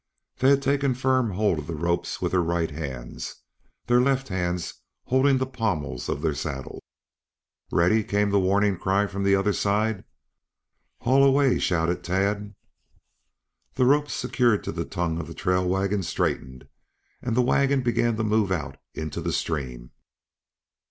They had taken firm hold of the ropes with their right hands, their left hands holding to the pommels of their saddles. "Ready!" came the warning cry from the other side. "Haul away!" shouted Tad. The ropes secured to the tongue of the trail wagon straightened, and the wagon began to move out into the stream.